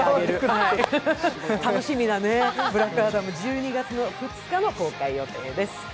楽しみだね、「ブラックアダム」、１２月２日の公開予定です。